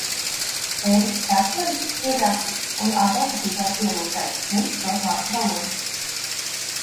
Ēriks Kartmens ir rasists un Ādolfa Hitlera pielūdzējs, viņš prot vācu valodu.